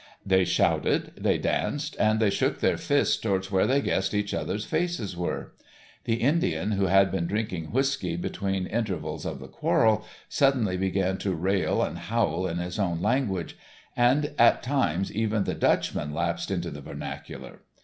They shouted, they danced, and they shook their fists towards where they guessed each other's faces were. The Indian, who had been drinking whiskey between intervals of the quarrel, suddenly began to rail and howl in his own language, and at times even the Dutchman lapsed into the vernacular.